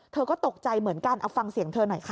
เธอก็ตกใจเหมือนกันเอาฟังเสียงเธอหน่อยค่ะ